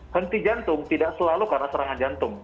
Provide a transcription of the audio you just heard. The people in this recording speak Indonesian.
henti jantung tidak selalu karena serangan jantung